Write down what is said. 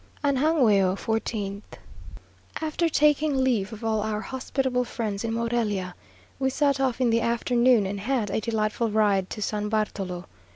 ANGANGUEO, 14th. After taking leave of all our hospitable friends in Morelia, we set off in the afternoon, and had a delightful ride to San Bartolo.